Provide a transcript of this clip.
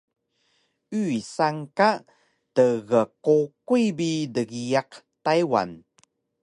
Yusan ka tgququy bi dgiyaq Taywan